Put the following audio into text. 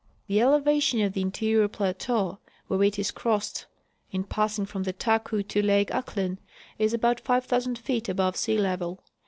The elevation of the interior plateau, where it is crossed tn passing from the Taku to lake Ahklen, is about 5,000 feet above sea level.